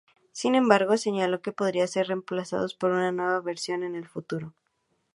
Sin embargo, señaló que podría ser reemplazado por una nueva versión en el futuro.